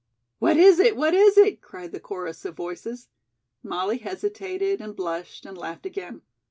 "What is it? What is it?" cried the chorus of voices. Molly hesitated and blushed, and laughed again.